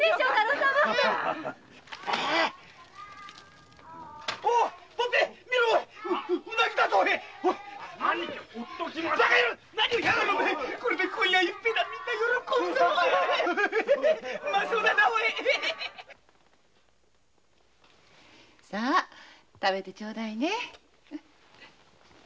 さあ食べてちょうだいね。